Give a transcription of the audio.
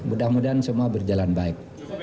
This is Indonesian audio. mudah mudahan semua berjalan baik